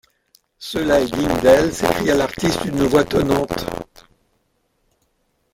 Cela est digne d’elle, s’écria l’artiste d’une voix tonnante.